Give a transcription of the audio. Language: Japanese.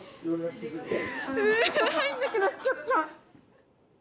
うう入んなくなっちゃった！